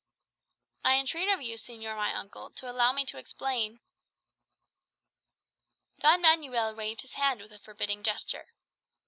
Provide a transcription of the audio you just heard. "I entreat of you, señor my uncle, to allow me to explain " Don Manuel waved his hand with a forbidding gesture.